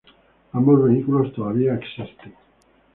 Ambos vehículos todavía existen.